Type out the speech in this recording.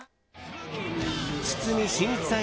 堤真一さん